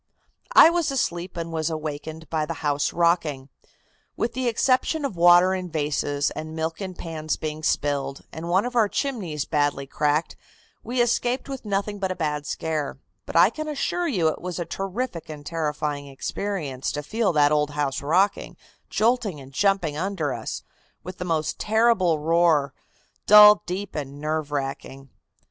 "I was asleep and was awakened by the house rocking. With the exception of water in vases, and milk in pans being spilled, and one of our chimneys badly cracked, we escaped with nothing but a bad scare, but I can assure you it was a terrific and terrifying experience to feel that old house rocking, jolting and jumping under us, with the most terrible roar, dull, deep and nerve racking.